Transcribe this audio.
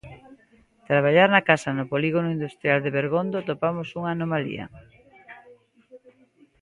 Traballar na casa No polígono industrial de Bergondo atopamos unha anomalía.